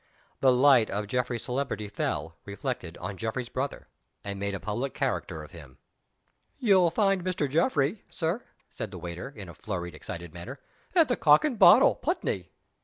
The light of Geoffrey's celebrity fell, reflected, on Geoffrey's brother, and made a public character of him. "You'll find Mr. Geoffrey, Sir," said the waiter, in a flurried, excited manner, "at the Cock and Bottle, Putney."